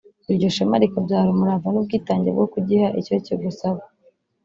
iryo shema rikabyara umurava n’ubwitange bwo kugiha icyo kigusaba